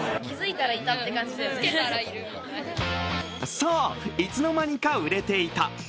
そう、いつの間にか売れていた。